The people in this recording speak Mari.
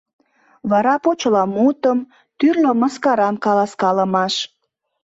Вара почеламутым, тӱрлӧ мыскарам каласкалымаш.